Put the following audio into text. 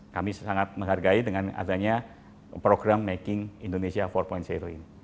kami sangat menghargai dengan adanya program making indonesia empat ini